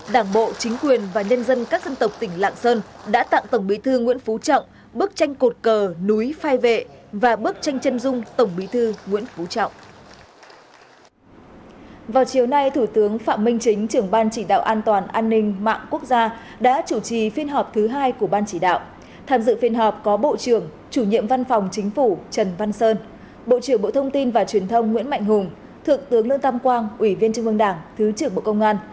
đảng bộ chính quyền và nhân dân các dân tộc tỉnh lạng sơn đã tặng tổng bí thư nguyễn phú trọng bức tranh cột cờ núi phai vệ và bức tranh chân dung tổng bí thư nguyễn phú trọng